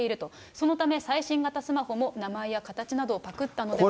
そのため、最新型スマホも、名前や形などをパクったのではないか。